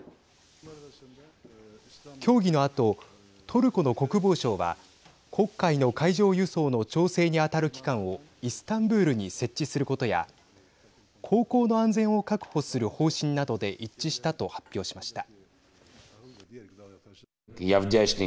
協議のあとトルコの国防相は黒海の海上輸送の調整に当たる機関をイスタンブールに設置することや航行の安全を確保する方針などで一致したと発表しました。